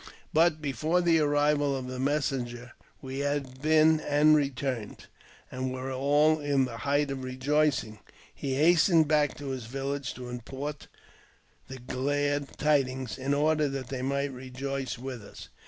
But before the arrival of the messenger we had been and returned, and were all in the height of rejoicing. He hastened back to his village to impart the glad tidings, in order that they might rejoice with us.